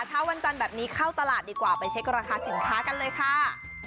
เช้าวันจันทร์แบบนี้เข้าตลาดดีกว่าไปเช็คราคาสินค้ากันเลยค่ะ